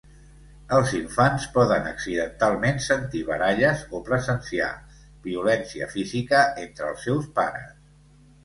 Els infants poden accidentalment sentir baralles o presenciar violència física entre els seus pares.